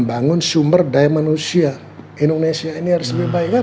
membangun sumber daya manusia indonesia ini harus lebih baik kan